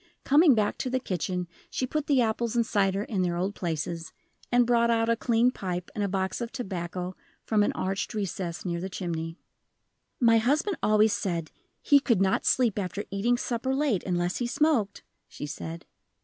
Coming back to the kitchen, she put the apples and cider in their old places, and brought out a clean pipe and a box of tobacco from an arched recess near the chimney. "My husband always said he could not sleep after eating supper late unless he smoked," she said.